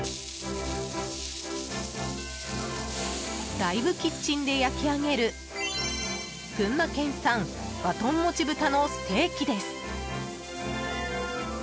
ライブキッチンで焼き上げる群馬県産和豚もち豚のステーキです。